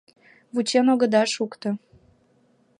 Вучен огыда шукто...